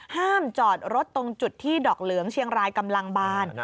ห้ามจอดรถตรงจุดที่ดอกเหลืองเชียงรายกำลังบาน